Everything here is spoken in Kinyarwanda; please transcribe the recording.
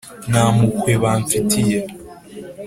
nta mpuhwe bamfitiye